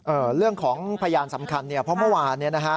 เรื่องของพยานสำคัญเนี่ยเพราะเมื่อวานเนี่ยนะฮะ